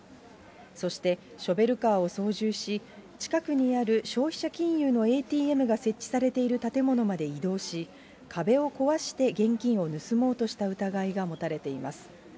そして、ショベルカーを操縦し、近くにある消費者金融のＡＴＭが設置されている建物まで移動し、壁を壊して現金を盗もうとした疑いが持たれています。